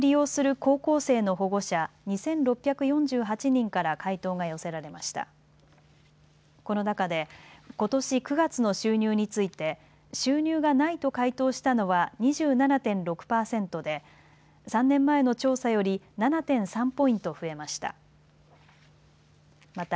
この中でことし９月の収入について収入がないと回答したのは２７．６％で３年前の調査より７．３ポイント増えました。